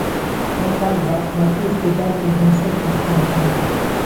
دا کار د اخلاقي استدلال پر بنسټ ترسره کوو.